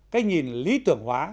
cái nhìn lý tưởng hóa